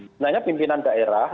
sebenarnya pimpinan daerah